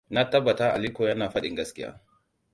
Na tabbata Aliko yana faɗin gaskiya.